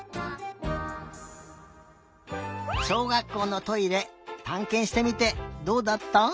しょうがっこうのトイレたんけんしてみてどうだった？